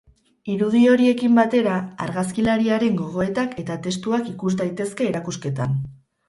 Irudi horiekin batera, argazkilariaren gogoetak eta testuak ikus daitezke erakusketan.